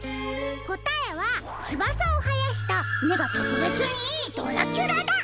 こたえはつばさをはやしためがとくべつにいいドラキュラだ。